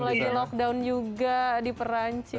lagi lockdown juga di perancis